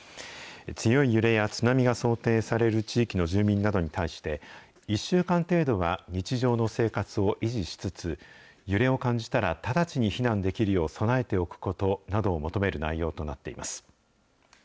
強い揺れや津波が想定される地域の住民などに対して、１週間程度は日常の生活を維持しつつ、揺れを感じたら直ちに避難できるよう備えておくことなどを求める内容となっています。